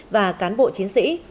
và cán bộ chiến sĩ